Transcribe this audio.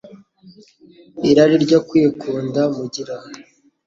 irari ryo kwikunda mugira ?